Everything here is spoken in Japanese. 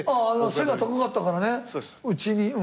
ああ背が高かったからねうちに。